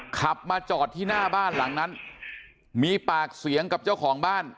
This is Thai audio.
ขับมาจอดที่หน้าบ้านหลังนั้นมีปากเสียงกับเจ้าของบ้าน